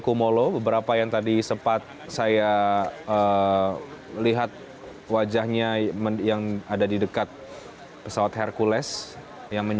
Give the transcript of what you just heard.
kalau kita estimasi waktu penerbangan